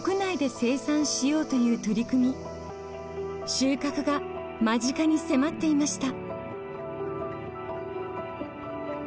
収穫が間近に迫っていました。